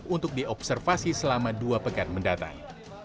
untuk diobservasi selama dua pekan mendatang